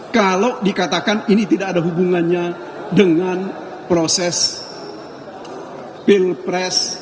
kalau dikatakan ini tidak ada hubungannya dengan proses pilpres